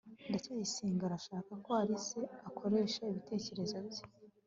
ndacyayisenga arashaka ko alice akoresha ibitekerezo bye